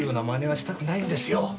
したくないんですよ。